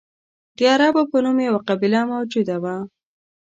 د عربو په نوم یوه قبیله موجوده وه.